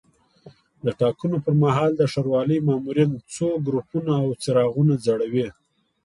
د ټاکنو پر مهال د ښاروالۍ مامورین څو ګروپونه او څراغونه ځړوي.